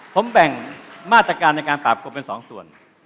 ผมแบ่งมาตรการในการปราบกรมเป็น๒ส่วน